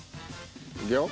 いくよ。